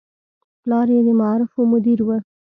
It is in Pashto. پلار یې د معارفو مدیر و.